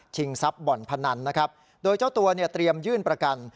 ทรัพย์บ่อนพนันนะครับโดยเจ้าตัวเนี่ยเตรียมยื่นประกัน